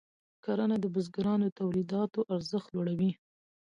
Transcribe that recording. کرنه د بزګرانو د تولیداتو ارزښت لوړوي.